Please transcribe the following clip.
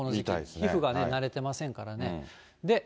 皮膚が慣れてませんからね。